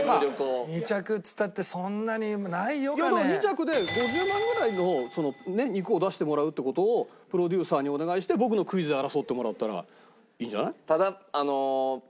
２着っつったってだから２着で５０万ぐらいの肉を出してもらうって事をプロデューサーにお願いして僕のクイズで争ってもらったらいいんじゃない？